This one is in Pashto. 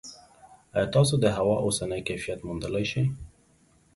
ایا تاسو د هوا اوسنی کیفیت موندلی شئ؟